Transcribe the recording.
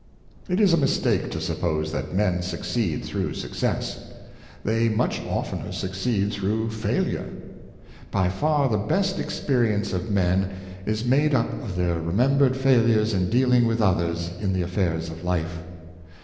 It is a mistake to suppose that men succeed through success; they much oftener succeed through failure. By far the best experience of men is made up of their remembered failures in dealing with others in the af fairs of life.